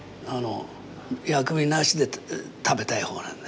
薬味なしで食べたいほうなんでね。